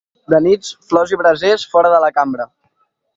De nits, flors i brasers fora de la cambra.